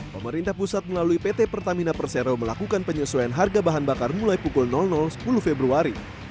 pemerintah pusat melalui pt pertamina persero melakukan penyesuaian harga bahan bakar mulai pukul sepuluh februari